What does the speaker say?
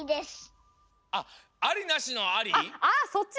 あそっち？